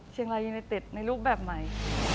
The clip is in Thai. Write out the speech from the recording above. เชียงรายยนต์อเต็ดในรูปแบบใหม่